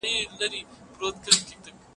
ستړي منډي به مي ستا درشل ته راوړې